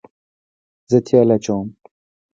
زه تیل اچوم